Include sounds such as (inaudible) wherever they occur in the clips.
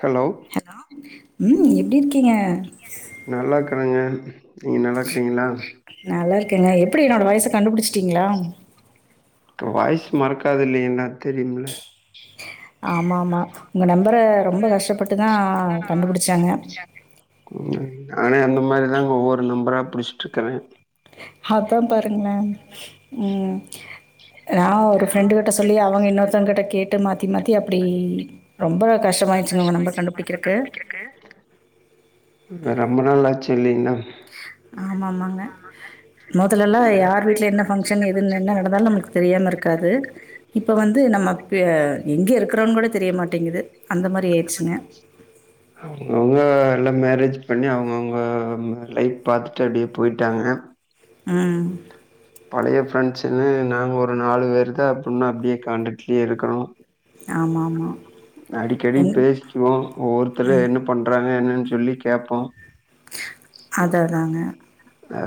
Hello ம் எப்டி இருக்கீங்க நல்லாருக்குறேங்க நீங்க நல்லா இருக்கறீங்களா நல்லாருக்கேங்க எப்புடி என்னோட வாய்ச கண்டுபுடிச்சிட்டிங்களா உங்க வாய்ஸ் மறக்காதுல்லைங்களா தெரியும்ல ஆமா ஆமா உங்க நம்பர ரொம்ப கஷ்டப்பட்டு தா கண்டுபுடிச்சாங்க ம் நானே அந்த மாரிதாங்க ஒவ்வொரு நம்பரா புடிச்சிட்டுருக்கற அதா பாருங்களே ம் நா ஒரு ஃப்ரெண்டு கிட்ட சொல்லி அவங்க இன்னொருத்தவங்கிட்ட கேட்டு மாத்தி மாத்தி அப்டியே ரொம்ப கஷ்டமாயிடுச்சுங்க உங்க நம்பர் கண்டுபுடிக்கிறக்கு ஆ ஆ ரொம்ப நாளாச்சு இல்லீங்ளா ஆமா ஆமாங்க மொதல்லா யார் வீட்ல என்ன ஃபங்க்ஷன் எதுன்னு என்ன நடந்தாலு நம்ளுக்கு தெரியாம இருக்காது இப்ப வந்து நம்ம பெ எங்க இருக்கிறோன் கூட தெரியமாட்டேங்குது அந்த மாரி ஆய்ச்சுங்க (inaudible) அவுங்க எல்லா மேரேஜ் பண்ணி அவங்கவுங்க லைப் பாத்துட்டு அப்டியே போயிட்டாங்க ஆ பழைய ஃப்ரெண்ட்ஸுன்னு நாங்க ஒரு நாலு பேர் தா அப்பமு அப்புடியே கான்டக்ட்லயே இருக்குறோ ஆமா ஆமா அடிக்கடி எங் பேசிக்கிவோ ஒவ்வொருத்தரு என்ன பண்றாங்க என்னன் சொல்லி கேப்போ அதா அதாங்க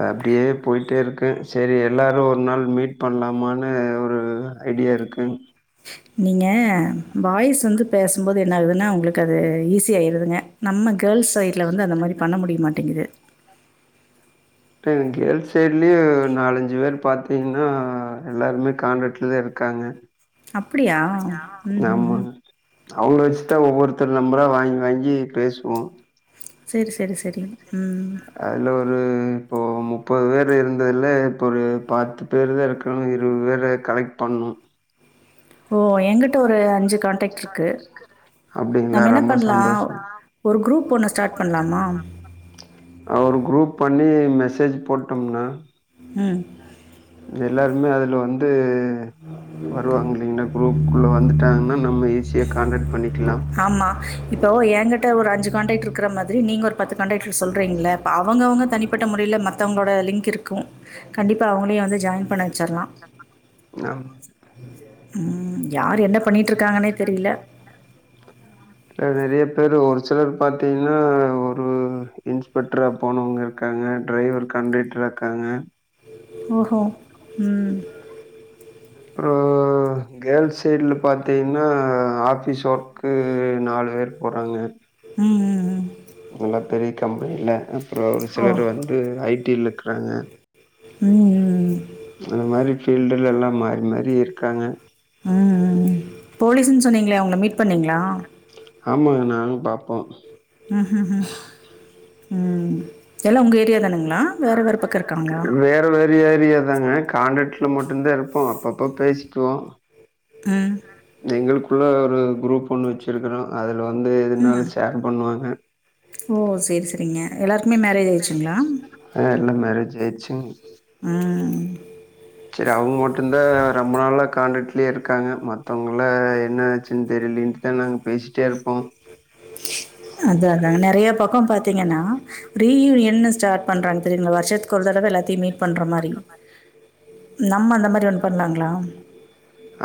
அப்புடியே போயிட்டே இருக்கு சேரி எல்லாரு ஒரு நாள் மீட் பண்லாமான்னு ஒரு ஐடியா இருக்கு நீங்க பாய்ஸ் வந்து பேசம்போது என்ன ஆகுதுன்னா உங்களுக்கு அது ஈஸி ஆயிருதுங்க நம்ம கேள்ஸ் சைட்ல வந்து அந்த மாரி பண்ண முடியமாட்டிங்குது இப்ப எங் கேள்ஸ் சைட்லயு நாலஞ்சு பேர் பாத்தீங்கன்னா எல்லாருமே கான்டக்ட்ல தா இருக்காங்க அப்படியா? ஆமா ம்ஹ்ஹ்ம். அவங்கள வச்சுதா ஒவ்வொருத்தரு நம்பரா வாங்கி வாங்கி பேசுவோ சேரி சேரி சேரி ம் அதுல ஒரு இப்போ இப்போ முப்பது பேர் இருந்ததுல இப்போ ஒரு பத்து பேர் தா இருக்கோ இருபது பேர கலெக்ட் பண்ணணு ஓ எங்கிட்ட ஒரு அஞ்சு கான்டக்ட் இருக்கு அப்டிங்களா? நம்ம என்ன ரொம்ப பண்லா சந்தோஷம். ஒரு குரூப் ஒன்ன ஸ்டார்ட் பண்லாமா ஆ ஒரு குரூப் பண்ணி மெசேஜ் போட்டோம்னா ம் எல்லாருமே அதுல வந்து வருவாங்கல்லீங்கல்லா குரூப்குள்ள வந்து டாங்கன்னா நம்ம ஈசியா காண்டெக்ட் பண்ணிக்கலாம் ஆமா இப்போ ஏங்க்கிட்ட ஒரு அஞ்சு கான்டக்ட் இருக்கிற மாதிரி நீங்க ஒரு பத்து கான்டக்ட் சொல்றீங்கள்ள இப்ப அவங்க அவங்க தனி பட்ட முறையில் மத்தவங்களோட லிங்க் இருக்கும் கண்டிப்பா அவங்களையு வந்து ஜாயின் பண்ண வச்சரலாம். ஆமா ம் யார் என்ன பண்ணிட்டு இருக்காங்கன்னே தெரில ஆ நெறைய பேரு ஒரு சிலர் பாத்தீங்கன்னா ஒரு ம் இன்ஸ்பெக்ட்ரா போனவங்க இருக்காங்க டிரைவர் கண்டட்டரா இருக்காங்க ஓஹோ ம் ஒரூ கேர்ள்ஸ் சைடில பாத்தீங்கன்னா ஆஃபீஸ் ஒர்க்கு நாலு பேர் போறாங்க ம் ம்ம் நல்லா பெரிய கம்பெனில அப்பற ஒரு ஓ! சிலர் வந்து ஐ டில இருக்கிறாங்க ம் ம். அந்த மாரி ஃபீல்டுல்ல எல்லா மாறி மாறி இருக்காங்க ம் ம் போலீஸ்ன்னு சொன்னீங்களே அவங்கள மீட் பண்ணீங்களா ஆமாங்க நானு பாப்போ ம் ம் ம் ம் எல்லா உங்க ஏரியா தானுங்களா வேறவேற பக்க இருக்காங்களா இந்த ஏரியா தாங்க கான்டக்டல்ல மட்டும்தா இருப்போ அப் பப்ப பேசிக்குவோ ம் எங்குளுக்குள்ள ஒரு குரூப் ஒன்னு வைச் இருக்கறோ அதுல வந்து எதுனாலு ஷேர் பண்ணுவாங்க ஓ செர் செரிங்க எல்லாருக்குமே மேரேஜ் ஆயிடுச்சுங்களா அ எல்லாம் மேரேஜ் ஆயிடுச்சுங்க. ம் செரி அவுங்க மட்டும்தா ரொம்ப நாளா காான்டக்லயே இருக்காங்க மத்தவங்கல்லா என்ன ஆச்சுன்னு தெரிலணுட்டு நாங்க பேசிட்டே இருப்போ அதா அதான்ங்க நெறைய பக்க பாத்தீங்கன்னா ரீயூனியன்னு ஸ்டார்ட் பண்றாங்க தெரியுங்களா வருஷத்துக்கு ஒரு தடவ எல்லாத்தையும் மீட் பண்ற மாரி நம்ம அந்த மாரி ஒண்ணு பண்லாங்களா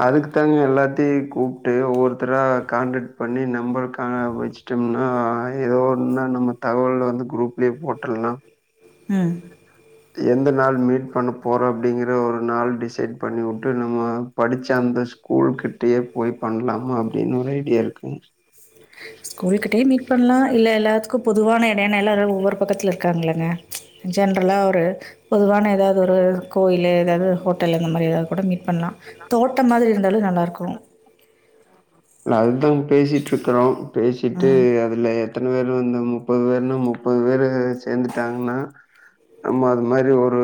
அதுக்கு தாங்க எல்லாத்தையு கூப்ட்டு ஒவ்வொருத்தரா கான்டக்ட் பண்ணி நம்பர் காணப்போச்சு வச்சு வச்சம்னா ஏதோ ஒன்னன்னா நம்ப தகவல் வந்து குரூப்லயே போட்ருல்லா ம் எந்த நாள் மீட் பண்ண போறோ அப்டிங்கற ஒரு நாள் டிசைட் பண்ணி வுட்டு நம்ம படிச்ச அந்த ஸ்கூல்கிட்டயே போய் பண்ணலாமா அப்டின்னு ஒரு ஐடியா இருக்குங் ஸகூல்கிட்டயே மீட் பண்லா இல்ல எல்லாத்துக்கும் பொதுவான இட ஏன்னா எல்லா ஒவ்வொரு பக்கத்துல இருக்காங்கல்லங்க ஜென்ரலா ஒரு பொதுவான ஏதாவது ஒரு கோயில்லு ஏதாவது ஒரு ஹோட்டலு அந்த மாரி ஏதாவது கூட மீட் பண்ணலா தோட்ட மாதிரி இருந்தாலு நல்லா இருக்கும் இல்ல அதுதாங்க பேசிட்டு இருக்குறோ பேசிட்டு ம் அதுல எத்தன எத்தன பேர் வந்து முப்பது பேர்னா முப்பது பேரு சேந்துட்டாங்கன்னா நம்ம அது மாரி ஒரு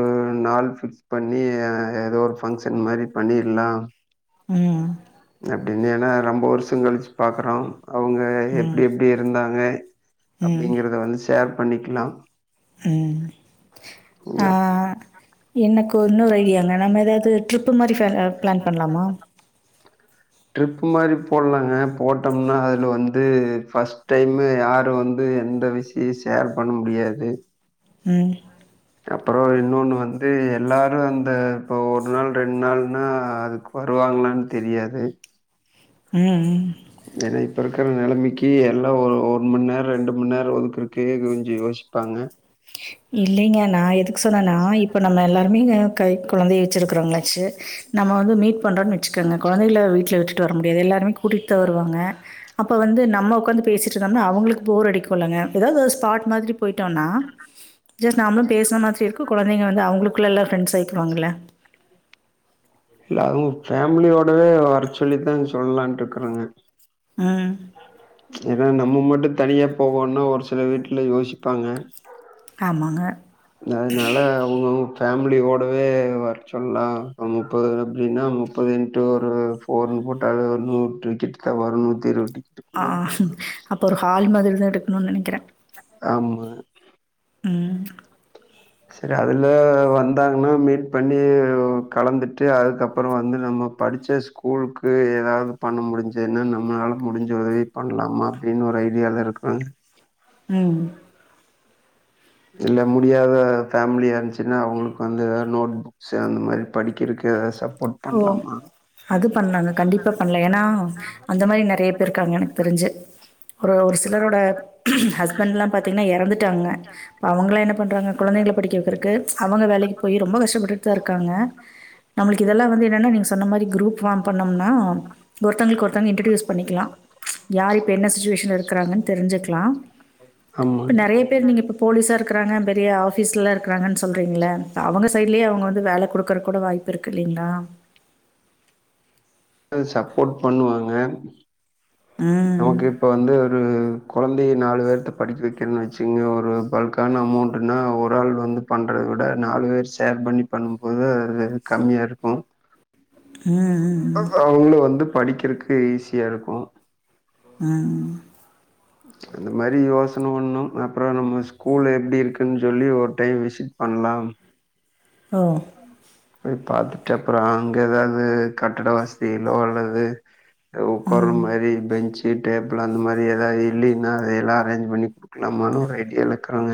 நாள் ஃபிக்ஸ் பண்ணி ஏதோ ஒரு ஃபங்க்ஷன் மாரி பண்ணிற்லா ம் அப்டின்னு ஏன்னா ரொம்ப வருஷ கழிச்சு பாக்ரோ அவுங்க ம் எப்டி எப்டி இருந்தாங்க ம் அப்டிங்கறத வந்து ஷேர் பண்ணிக்கலா ம் ஆ எனக்கு இன்னொறு ஐடியா நம்ம ஏதாவது ட்ரிப் மாதிரி பிளான் பண்ணலாமா ட்ரிப் மாதிரி போடலாங்க போட்டோம்னா அதுல வந்து ஃபர்ஸ்ட் டைம்மு யாரு வந்து வந்து எந்த விஷய ஷேர் பண்ண முடியாது ம் அப்பறோ இன்னொன்னு வந்து எல்லாரு அந்த இப்ப ஒரு நாள் ரெண்டு நாள்ன்னா அதுக்கு வருவாங்களான்னு தெரியாது ம் ஏன்னா இப்ப இருக்கிற நிலமிக்கு எல்லா ஒரு ஒரு மணி நேர ரெண்டு ம நேர ஒதுக்குறக்கு கொஞ்ச யோசிப்பாங்க கே இல்லிங்க நா எதுக்கு சொன்னேன்னா இப்போ நம்ம எல்லாருமேங்க கை கொழந்தைய வச்சுருக்கறோங்களாச்சு நம்ம வந்து மீட் பண்றோன்னு வச்சுகோங்க கொழந்தைகள வீட்ல விட்டுட்டு வர முடியாது எல்லாருமே கூட்டிட்டு தா வருவாங்க அப்ப வந்து நம்ம உக்காந்து பேசிட்டு இருந்தோனா அவுங்களுக்கு போர் அடிக்குள்ளங்க ஏதாவது ஒரு ஸ்பாட் மாதிரி போயிட்டோன்னா ஜஸ்ட் நாமளு பேசுன மாதிரி இருக்கு கொழந்தைங்க வந்து அவுங்களுக்குள்ள எல்லா ஃப்ரண்ட்ஸ் ஆயிக்குவாங்கல்ல இல்ல அதுவு ஃபேமிலியோடவே வரச் சொல்லிதா சொல்லலான்ட்ருக்குறேங்க ம் ஏன்னா நம்ம மட்டு தனியா போகோணுன்னா ஒரு சில வீட்ல யோசிப்பாங்க ஆமாங்க அதனால அவுங்கவுங்க ஃபேமிலியோடவே வர சொல்லா ஒரு முப்பது அப்டின்னா முப் பது இன்ட்டு ஒரு ஃபோருன்னு போட்டாலே ஒரு நூறு டிக்கெட தா வரு நூத்தி இருவது டிக்கெட் ஆ இருப்பாங்க. அப்போ ஒரு ஹால் மாதிரி தா எடுக்கணுன்னு நெனைக்கிற ஆமா ம் செரி அதுல வந்தாங்கன்னா மீட் பண்ணி கலந்துட்டு அதுக்கப்புறோ வந்து நம்ம படிச்ச ஸ்கூலுக்கு ஏதாவது பண்ண முடிஞ்சுதுன்னா நம்மளால முடிஞ்ச உதவி பண்லாமா அப்டின்னு ஒரு ஐடியால இருக்குறங்க ம் இல்ல முடியாத ஃபேமிலியா இருந்துச்சுன்னா அவுங்களுக்கு வந்து ஏதாது நோட் சோ அந்த மாரி படிக்கிறக்கு ஏதாது சப் ஓ அது பண்லாங்க கண்டிப்பா பண்லா ஏன்னா அந்த மாரி நெறைய பேர் இருக்காங்க எனக்கு தெரிஞ்சு ஒரு ஒரு சிலரோட ஹஸ்பண்ட்லா பாத்தீங்கன்னா எறந்துட்டாங்க இப்ப அவுங்கள்லா என்ன பண்றாங்க குழந்தைங்கள படிக்க வக்கறக்கு அவுங்க வேலைக்கு போய் ரொம்ப கஷ்டப்பட்டுட்டு தா இருக்காங்க அதெல்லா வந்து என்னன்னா நீங்க சொன்ன மாரி குருப் ஃபார்ம் பண்ணோம்னா ஒருத்தங்களுக்கு ஒருத்தங்க இன்ட்ரடியூஸ் பண்ணிக்கலா யார் இப்ப என்ன சுச்சிவேஷன்ல இருக்கிறாங்கன்னு தெரிஞ்சுக்கலா ஆமா இப்போ நெறைய பேர் நீங்க இப்ப போலீஸா இருக்குறாங்க பெரிய ஆஃபீஸ்ல இருக்கிறாங்கன்னு சொல்கிறீங்கல்ல அவங்க சைட்லே அவங்க வந்து வேல குடுக்குறக் கூட வாய்ப்பு இருக்கு இல்லீங்களா ம் சப்போர்ட் பண்ணுவாங்க ம். நமக்கு இப்ப வந்து ஒரு கொழந்தைய நாலு பேர்த்த படிக்க வக்கிறேன்னு வச்சுங்க ஒரு பல்க்கான அமௌண்ட் அப்டின்னா ஒரு ஆள் வந்து பண்றத விட நாலு பேர் ஷேர் பண்ணி பண்ணும்போது அது கம்மியா இருக்கு ம், ம், அவுங்களு வந்து படிக்கிறக்கு ஈஸியா இருக்கு ம் அந்த மாரி யோசன ஒண்ணு அப்புற நம்ம ஸ்கூல் எப்டி இருக்குன்னு சொல்லி ஒரு டைம் விசிட் பண்லா ஓ போய் பாத்துட்டு அப்புற அங்க ஏதாது கட்டட வசதியிலோ அல்லது ஆ உக்கார ம். மேரி பெஞ்சு டேபிள் அந்த மாரி ஏதாது இல்லீன்னா அத எல்லா அரேஞ்ச் பண்ணி நம்மனு ஒரு ஐடியால இருக்குறோங்க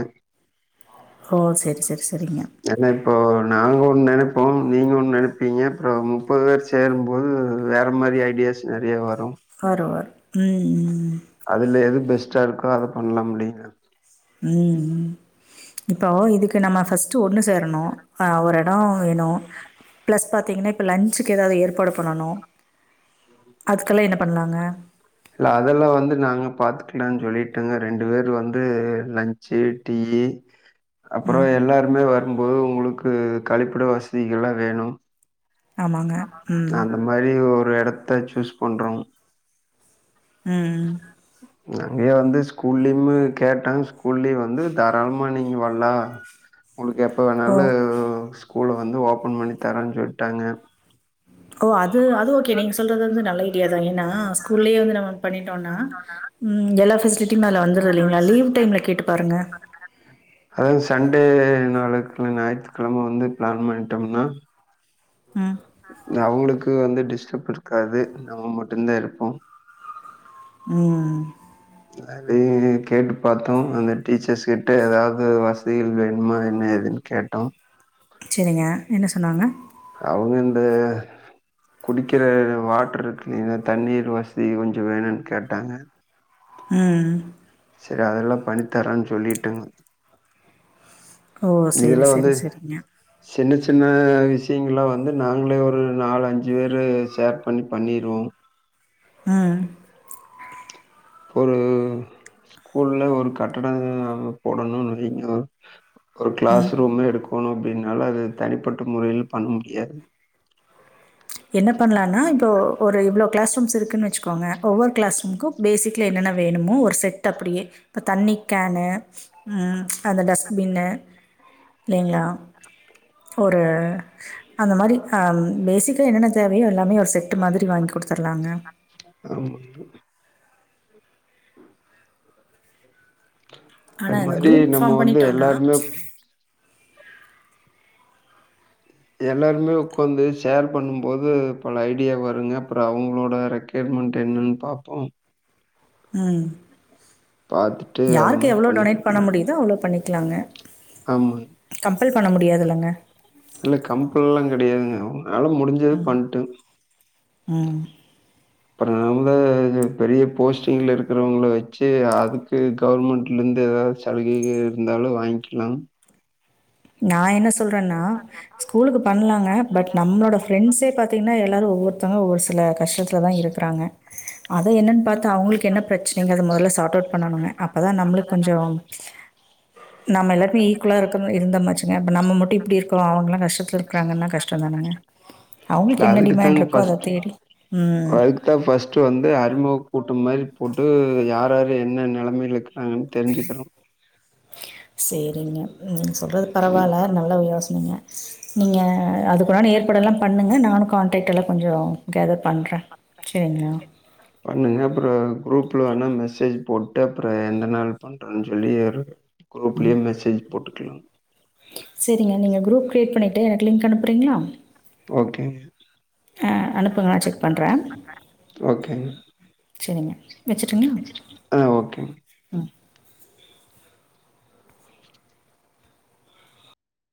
ஓ செரி செரி செரிங்க ஏன்னா இப்போ நாங்க ஒண்ணு நெனைப்போ நீங்க ஒண்ணு நெனைப்பீங்க அப்புற முப்பது பேர் சேரும்போது வேற மாரி ஐடியாஸ் நெறைய வரு வரு வரு ம் ம் அதுல எது பெஸ்ட்டா இருக்கோ அத பண்லாம் இல்லீங்ளா உம் இப்போவோ இதுக் நம்ம ஃபஸ்ட்டு ஒண்ணு சேரணு அ ஒரு எடோ ஒரு எடோ ப்ளஸ் பாத்திங்னா இப்ப லஞ்சுக்கு ஏதாவ்து ஏற்பாடு பண்ணணு அதுக்கெல்லா என்ன பண்லாங்க இல்ல அதெல்லா வந்து நாங்க பாத்துக்கலான் சொல்லிட்டங்க ரெண்டு பேரு வந்து லன்ச்சு டீயி அப்றோ ம். எல்லாருமே வரும்போது உங்ளுக்கு கழிப்பட வசதிகள்லா வேணு ஆமாங்க ம். அந்த மாரி ஒரு இடத்த சூஸ் பண்றோ ம் அங்கேயே வந்து ஸ்கூல்லயுமு கேட்டாங் ஸ்கூல்லயு வந்து தாராளமா நீங் வர்லா உங்ளுக்கு எப்போ வேணாலு ஓ! ஸ்கூல வந்து ஓப்பன் பண்ணி தரோனு சொல்ட்டாங்க ஓ அது அது ஓகே நீங்க சொல்றது வந்து நல்ல ஐடியா தா ஏனா ஸ்கூல்லயே வந்து நம்ம பண்ணிட்டோனா ம் எல்லா ஃபெசிலிட்டியுமே அதுல வந்துருது இல்லைங்ளா லீவ் டைம்ல கேட்டு பாருங்க அதாவ்து சண்டே நாளைக் ஞாயித்துக்கெழம வந்து ப்ளான் பண்ணிட்டம்னா ம் அவங்ளுக்கு வந்து டிஸ்டர்ப் இருக்காது நம்ம மட்டுந்தா இருப்போ உஹம் ல அதையு கேட்டு பாத்தோ அந்த டீச்சர்ஸ்கிட்ட ஏதாவ்து வசதிகள் வேண்மா என்ன ஏதுன் கேட்டோ செரிங்க என்ன சொன்னாங்க அவங்க இந்த குடிக்கிற வாட்டர் இருக்கு இல்லைங்களா தண்ணீர் வசதி கொஞ்சோ வேணுன் கேட்டாங்க உம் செரி அதெல்லா பண்ணி தரன் சொல்லீட்டுங் ஓ! சரி, இதெல்லா வந்து சரி, சரிங்க. சின்ன சின்ன விஷ்ய ங்கள்லா வந்து நாங்ளே ஒரு நாலு அஞ்சு பேர ஷேர் பண்ணி பண்ணிர்வோ ம் ஒரு ஸ்கூல்ல ஒரு கட்டடங் போடணுனு நெறைய ஒரு க்ளாஸ் ரூம்மே எடுக்கணு அப்டின்னால அது தனிப்பட்ட முறைல பண்ண முடியாது என்ன பண்லான்னா இப்போ ஒரு இவ்ளோ க்ளாஸ் ரூம்ஸ் இருக்குனு வெச்சுக்கோங்க ஒவ்வொரு க்ளாஸ் ரூம்க்கு பேசிக்ல என்னென்ன வேணுமோ ஒரு செட் அப்டியே இப்ப தண்ணிக் கேனு உம் அந்த டஸ்ட்பின்னு இல்லைங்ளா ஒரு அந்த மாரி ஆ பேசிக் கு என்னென்ன தேவையோ எல்லாமே ஒரு செட்டு மாதிரி வாங்கி குடுத்துர்லாங்க ஆமா அது ஆனால் இந்த மாரி குரூப் நம்ம ஃபார்ம் வந்து பண்ணிட்டோன்னா எல்லார்மே எல்லாருமே உக்காந்து ஷேர் பண்ணும்போது பல ஐடியா வருங்க அப்றோ அவங்ளோட ரெக் ஸ்டேட்மெண்ட் என்னன் பாப்போ உம் பார்த்துட்டு அது யாருக்கு மாரி எவ்ளோ பண்ணி டொனேட் பண்ண குடுக்கலாம். முடியுதோ அவ்ளோ பண்ணிக் க்கலாங்க ஆமா. கம்பல் பண்ண முடியதுல்லங்க இல்ல கம்பல்லா கெடையாதுங்க உங்ளால முடிஞ்சது பண்ட்டு ம் அப்ற நம்ப பெரிய போஸ்ட்டிங்கில இருக்கிறவங்கள வெச்சு அதுக்கு கவர்மெண்ட்ல இருந்து எதாச் சலுகைகள் இருந்தாலு வாங்கிலா நா என்ன சொல்றேன்னா ஸ்கூலுக்கு பண்லாங்க பட் நம்ளோட ஃப்ரெண்ட்ஸே பா அப்பிடின்னா எல்லாரும் ஒவ்வொருத்தவ ஒவ்வரு சில கஷ்டத்துல தான் இருக்கிறாங்க அது என்னன்னு பாத்த அவுங்களுக்கு என்ன பிரச்சனைங்க அதை மொதல்ல சார்ட் அவுட் பண்ணணுங்க அப்பதான் நம்முளுக்கு கொஞ்சோ நாம எல்லாருமே ஈக்குவள்ள இருக்கனோ இருந்தமாச்சுங்க அப்டின்னா நம்ம மட்டும் இப்பிடியே இருக்கறோ அவங்கலாம் கஷ்டத்துல இருக்கிறாங்கன்னா கஷ்டம் தானுங்க இல்ல அவுங்களுக்கு என்ன அதுக்கு டிமேண்ட் தாங்க இருக்கோ அத தேடி ம் அதுக்கு ஃபர்ஸ்ட் வந்து அறிமுக கூட்டம் மாரி போட்டு யார் யாரு என்ன நிலைமையில இருக்குறாங்க தெரிஞ்சுக்கனும் செரிங்க நீங்க சொல்றது பரவால்ல நல்லா யோசனைங்க நீங்க அதுக்குன்டான ஏற்பாடெல்லாம் பண்ணுங்க நானும் கான்டாக்ட் எல்லாம் கொஞ்சம் கேதர் பண்றே செரிங்க பண்ணுங்க அப்புறம் குரூப்ல வேணா மெசேஜ் போட்டு அப்புறம் எந்த நாள் பா னு சொல்லி குரூப்லயே மெசேஜ் போட்டுக்கலாம் செரிங்க நீங்க குரூப் கிரியேட் பண்ணிட்டு எனக்கு லிங்க் அனுப்புறீங்களா? ஓகேங்க, ஆ அனுப்புங்க நான் செக் பண்றே ஓகேங்க. செரிங்க வச்சுட்டுங்களா? ஆ ஓகே